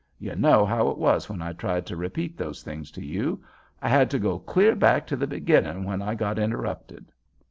You know how it was when I tried to repeat those things to you—I had to go clear back to the beginning when I got interrupted."